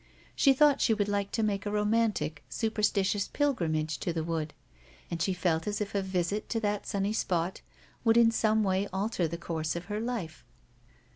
She thought she should like to make a romantic, superstitious pilgrimage to the wood, and she felt as if a visit to that sunny spot would in some way alter the course of her life.